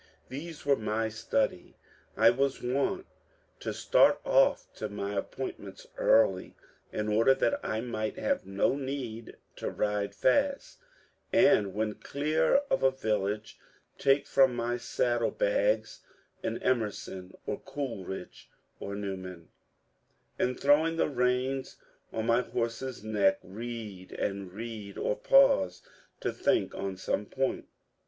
These were my study. I was wont to start off to my appointments early, in order that I might have no need to ride fast, and when clear of a village, take from my saddle bags my Emerson, my Coleridge, or Newman, and throwing the reins on my horse's neck, read and read, or pause to think on some point.